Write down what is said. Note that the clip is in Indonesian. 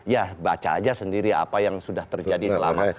ya baca aja sendiri apa yang sudah terjadi selama